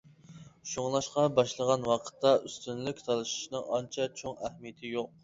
شۇڭلاشقا باشلىغان ۋاقىتتا ئۈستۈنلۈك تالىشىشنىڭ ئانچە چوڭ ئەھمىيىتى يوق.